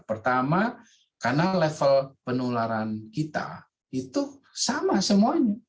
pertama karena level penularan kita itu sama semuanya